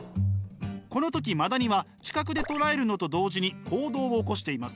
この時マダニは知覚でとらえるのと同時に行動を起こしています。